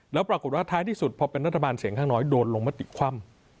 แล้วปรากฏว่าท้ายที่สุดพอเป็นรัฐบาลเสียงข้างน้อยโดนลงมติคว่ำ